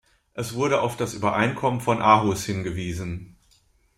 Es wurde auf das Übereinkommen von Aarhus hingewiesen.